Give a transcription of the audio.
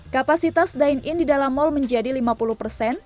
kapasitas dine in di dalam mal menjadi lima puluh persen